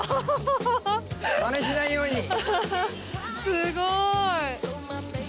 すごい。